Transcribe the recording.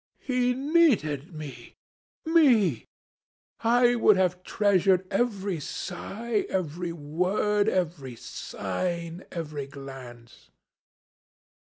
He needed me! Me! I would have treasured every sigh, every word, every sign, every glance.'